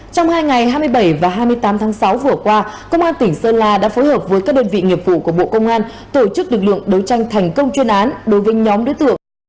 trong hai ngày hai mươi bảy và hai mươi tám tháng sáu vừa qua công an tỉnh sơn la đã phối hợp với các đơn vị nghiệp vụ của bộ công an tổ chức lực lượng đấu tranh thành công chuyên án đối với nhóm đối tượng